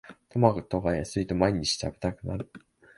トマトが安いと毎日食べたくなる